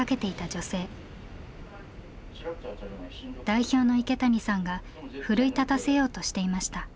代表の池谷さんが奮い立たせようとしていました。